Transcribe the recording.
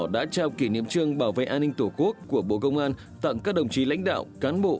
đã trao kỷ niệm trương bảo vệ an ninh tổ quốc của bộ công an tặng các đồng chí lãnh đạo cán bộ